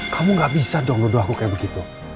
kamu gak bisa dong aku kayak begitu